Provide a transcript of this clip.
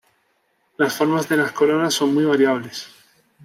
Las formas de las coronas son muy variables.